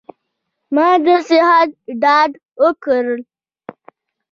ما د صحت ډاډ ورکړ.